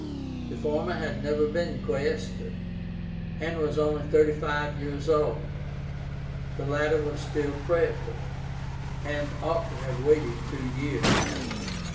The former had never been Quaestor, and was only thirty five years old; the latter was still Praetor, and ought to have waited two years.